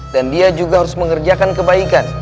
dan dia juga harus mengerjakan kebaikan